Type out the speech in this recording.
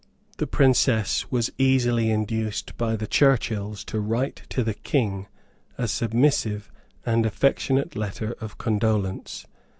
The Princess was easily induced by the Churchills to write to the King a submissive and affectionate letter of condolence.